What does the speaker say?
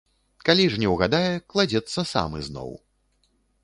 Калі ж не ўгадае, кладзецца сам ізноў.